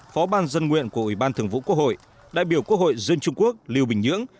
phó ban dân nguyện của ủy ban thường vũ quốc hội đại biểu quốc hội dân trung quốc liêu bình nhưỡng